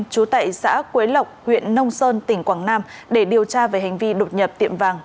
chú tại xã quế lộc huyện nông sơn tỉnh quảng nam để điều tra về hành vi đột nhập tiệm vàng